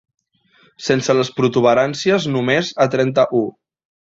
Sense les protuberàncies només a trenta-u.